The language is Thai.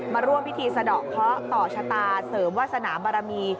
มาร่วมพิธีสะดอกเคาะต่อชะตาเสริมวาสนาบารมี